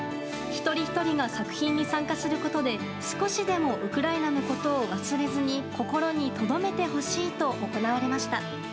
一人ひとりが作品に参加することで少しでもウクライナのことを忘れずに心にとどめてほしいと行われました。